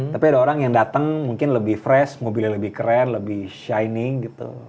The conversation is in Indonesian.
tapi ada orang yang datang mungkin lebih fresh mobilnya lebih keren lebih shining gitu